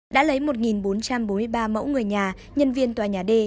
đã lấy một bốn trăm bốn mươi ba mẫu người nhà nhân viên tòa nhà d